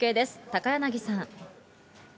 高柳さん。